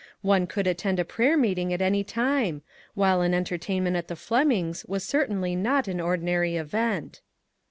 One could attend a prayer meeting at any time ; while an entertainment at the Flemings was cer tainly not an ordinary event.